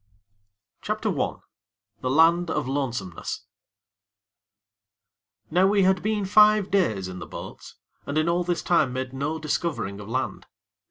I The Land of Lonesomeness Now we had been five days in the boats, and in all this time made no discovering of land.